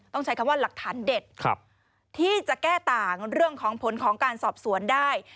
ใช้คำว่าหลักฐานเด็ดที่จะแก้ต่างเรื่องของผลของการสอบสวนได้